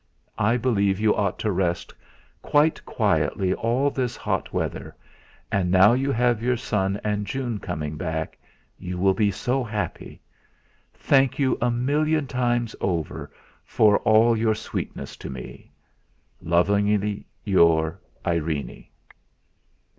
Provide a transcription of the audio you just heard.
I believe you ought to rest quite quietly all this hot weather, and now you have your son and June coming back you will be so happy. Thank you a million times for all your sweetness to me. "Lovingly your IRENE."